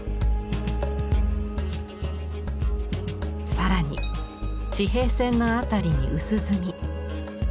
更に地平線の辺りに薄墨。